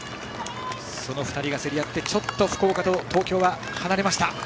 その２人が競り合って福岡と東京は離れた。